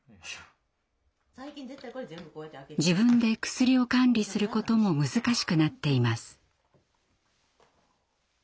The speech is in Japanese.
自分で薬を管理することも難しくなっています。